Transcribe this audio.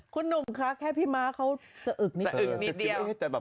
คุณหนุ่มคะแค่พี่มาเขาสะอึกนิดเดียว